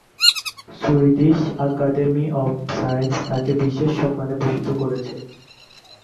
Swedish academy of science তাকে বিশেষ সম্মানে ভূষিত করেছে।